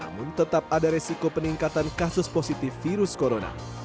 namun tetap ada resiko peningkatan kasus positif virus corona